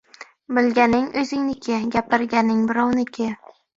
• Bilganing — o‘zingniki, gapirganing — birovniki.